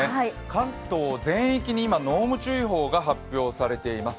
関東全域に今、濃霧注意報が発表されています。